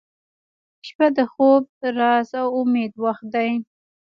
• شپه د خوب، راز، او امید وخت دی